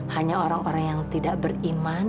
hanya orang orang yang tidak beriman